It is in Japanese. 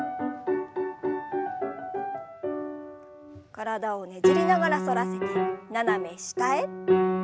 体をねじりながら反らせて斜め下へ。